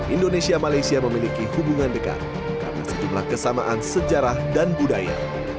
indonesia malaysia memiliki hubungan dekat karena sejumlah kesamaan sejarah dan budaya